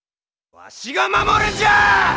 わしが守るんじゃあ！